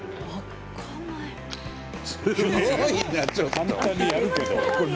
簡単にやるけど。